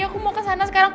aku mau ke sana sekarang